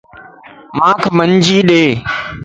مانک منجي ڏيت